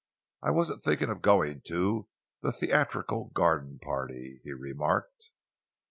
"I wasn't thinking of going to the Theatrical Garden Party," he remarked.